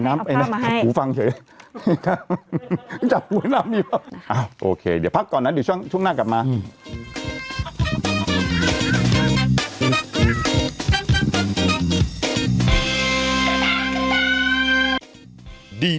ไม่ต้องให้ฉันด่าบ้างอยู่เฉยพี่อยู่เฉยสงบสงบบ้างได้